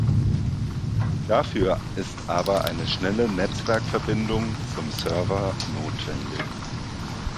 Dafür ist aber eine schnelle Netzwerk-Verbindung zum Server notwendig.